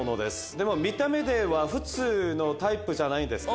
でも見た目では普通のタイプじゃないですか。